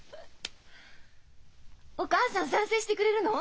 お母さん賛成してくれるの？